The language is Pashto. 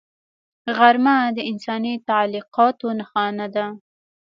غرمه د انساني تعلقاتو نښانه ده